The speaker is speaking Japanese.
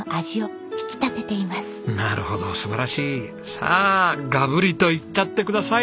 さあガブリといっちゃってください